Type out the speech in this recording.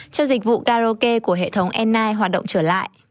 cho dịch vụ karaoke của hệ thống ai hoạt động trở lại